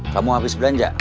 kamu habis belanja